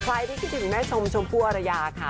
ใครที่มิสิคแม่ชมพูอรยาค่ะ